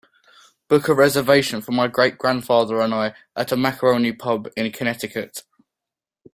Book a reservation for my great grandfather and I at a macaroni pub in Connecticut